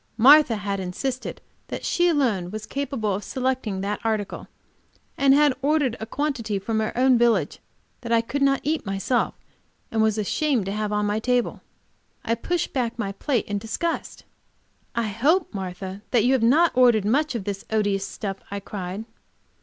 Martha had insisted that she alone was capable of selecting that article, and had ordered a quantity from her own village which I could not eat myself and was ashamed to have on my table. I pushed back my plate in disgust. "I hope, Martha, that you have not ordered much of this odious stuff!" I cried.